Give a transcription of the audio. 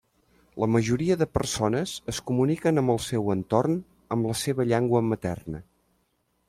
La majoria de persones es comuniquen amb el seu entorn amb la seva llengua materna.